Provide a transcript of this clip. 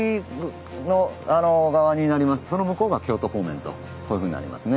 そうですねほぼその向こうが京都方面とこういうふうになりますね。